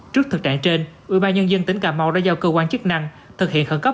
trước thực trạng trên ubnd tỉnh cà mau đã giao cơ quan chức năng thực hiện khẩn cấp